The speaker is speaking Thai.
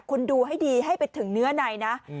คุณดูให้ดีให้ไปถึงเนื้อในนะ